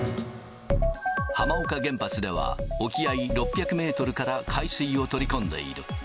浜岡原発では、沖合６００メートルから海水を取り込んでいる。